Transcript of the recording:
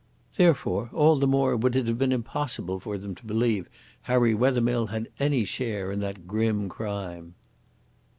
Therefore all the more would it have been impossible for them to believe Harry Wethermill had any share in that grim crime."